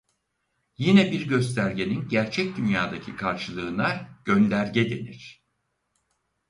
Yine bir göstergenin gerçek dünyadaki karşılığına gönderge denir.